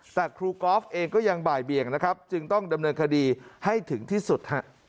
แต่ครูกอล์ฟเองก็ยังบ่ายเบียงนะครับจึงต้องดำเนินคดีให้ถึงที่สุด